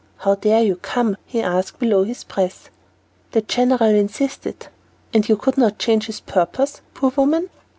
"How dared you come?" he asked below his breath. "The general insisted." "And you could not change his purpose; poor woman!"